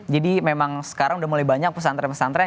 jadi memang sekarang udah mulai banyak pesantren pesantren